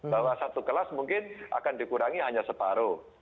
bahwa satu kelas mungkin akan dikurangi hanya separuh